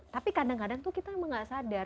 tapi kadang kadang tuh kita emang gak sadar